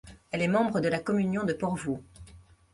Elle est membre de la Communion de Porvoo.